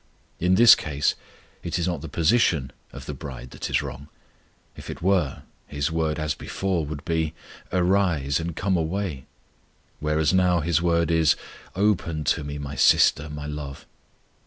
In this case it is not the position of the bride that is wrong; if it were, His word as before would be, "Arise, and come away"; whereas now His word is, "Open to Me, My sister, My love."